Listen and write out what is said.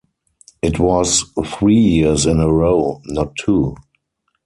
It was three years in a row, not two.